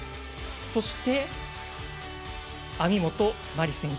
そして、網本麻里選手。